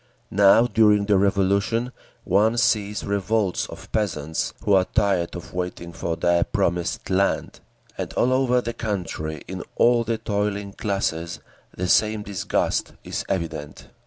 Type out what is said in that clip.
Now, during the Revolution, one sees revolts of peasants who are tired of waiting for their promised land; and all over the country, in all the toiling classes, the same disgust is evident.